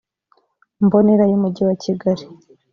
mbonera y’umujyi wa kigali